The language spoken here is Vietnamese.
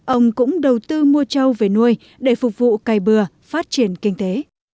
ông cũng đầu tư mua trâu về nuôi để phục vụ cày bừa phát triển kinh tế